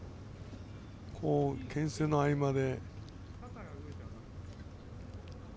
けん制の合間で。